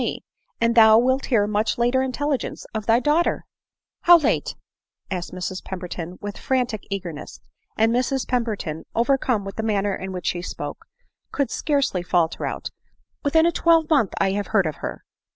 me, and thou wilt hear much later intelligence of thy daughter." " How late ?" asked Mrs Mowbray, with frantic eager ness ;— and Mrs Pemberton, overcome with the manner in which she spoke, could scarcely falter out, " Within a twelvemonth I have heard of her."